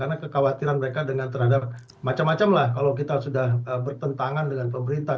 karena kekhawatiran mereka dengan terhadap macam macam lah kalau kita sudah bertentangan dengan pemerintah